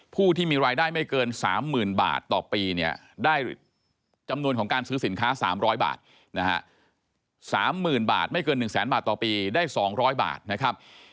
ผู้ที่มีรายได้ไม่เกินสามหมื่นบาทต่อปีเนี่ยได้จำนวนของการซื้อสินค้าสามร้อยบาทนะฮะสามหมื่นบาทไม่เกินหนึ่งแสนบาทต่อปีได้สองร้อยบาทนะครับ